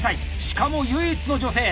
しかも唯一の女性。